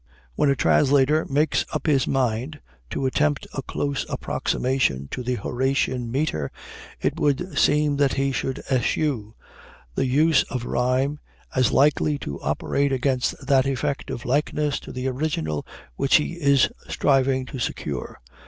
When the translator makes up his mind to attempt a close approximation to the Horatian meter, it would seem that he should eschew the use of rhyme as likely to operate against that effect of likeness to the original which he is striving to secure.